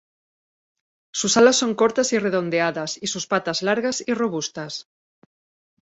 Sus alas son cortas y redondeadas y sus patas largas y robustas.